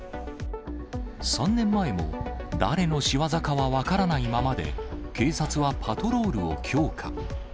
３年前も、誰の仕業かは分からないままで、警察はパトロールを強化。